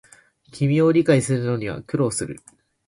君を理解するのには苦労する